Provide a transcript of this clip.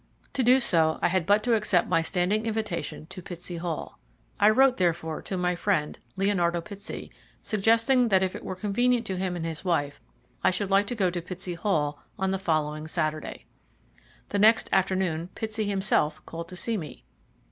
To do so I had but to accept my standing invitation to Pitsey Hall. I wrote, therefore, to my friend, Leonardo Pitsey, suggesting that if it were convenient to him and his wife I should like to go to Pitsey Hall on the following Saturday. The next afternoon Pitsey himself called to see me.